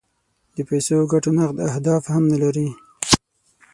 د پیسو او ګټو نغد اهداف هم نه لري.